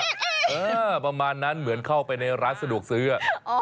เออประมาณนั้นเหมือนเข้าไปในร้านสะดวกซื้ออ่ะ